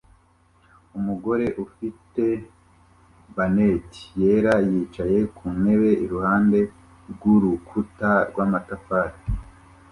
Umugore ufite bonnet yera yicaye ku ntebe iruhande rw'urukuta rw'amatafari